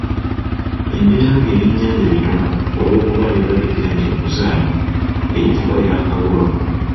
Embeera nga ebyennyanja bitono olw'okuba biba bigenze okuzaala eyitibwa ya Kawolo.